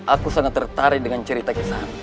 aku sangat tertarik dengan cerita kisah